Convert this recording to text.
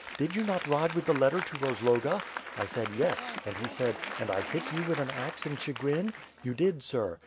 Did you not ride with the letter to Rozloga?' I said, 'Yes,' and he said, *And I hit you with an axe in Chi grin?' *You did, sir.'